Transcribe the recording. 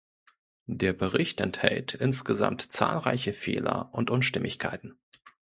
Der Bericht enthält insgesamt zahlreiche Fehler und Unstimmigkeiten.